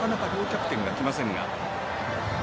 なかなか両キャプテンが来ませんが。